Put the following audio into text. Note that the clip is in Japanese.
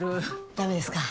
ダメですか？